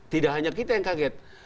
tidak hanya kita yang kaget